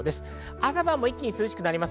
朝晩も一気に涼しくなります。